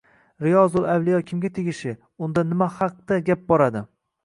“Riyozul avliyo” kimga tegishli, unda nima haqda gap boradi?ng